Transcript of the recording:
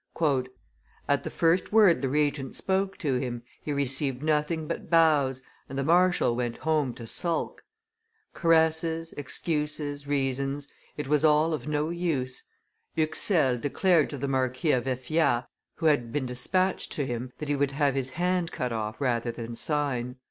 365.] "At the first word the Regent spoke to him, he received nothing but bows, and the marshal went home to sulk; caresses, excuses, reasons, it was all of no use; Huxelles declared to the Marquis of Effiat, who had been despatched to him, that he would have his hand cut off rather than sign.